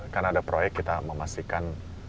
karena ada proyek kita memastikan